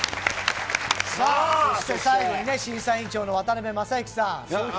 最後に審査員長の渡辺正行さん。